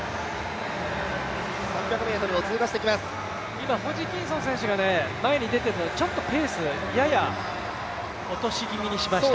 今、ホジキンソン選手が前に出ていますがちょっとペース、やや落とし気味にしました。